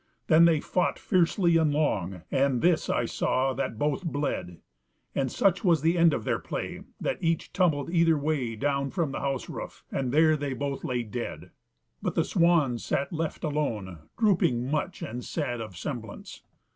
Then they fought fiercely and long, and this I saw that both bled, and such was the end of their play, that each tumbled either way down from the house roof, and there they lay both dead. "But the swan sat left alone, drooping much, and sad of semblance.